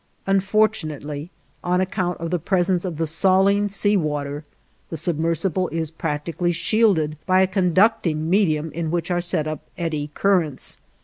Unfortunately, on account of the presence of the saline sea water, the submersible is practically shielded by a conducting medium in which are set up eddy currents.